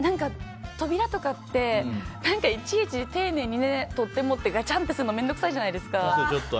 扉とかっていちいち丁寧に取っ手を持ってガチャンってするの面倒くさいじゃないですか。